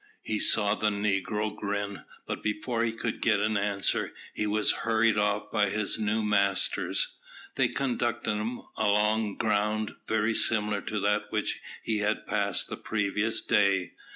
He saw the negro grin, but before he could get an answer, he was hurried off by his new masters. They conducted him along over ground very similar to that which he had passed the previous day.